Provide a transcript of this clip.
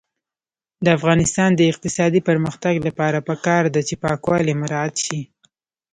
د افغانستان د اقتصادي پرمختګ لپاره پکار ده چې پاکوالی مراعات شي.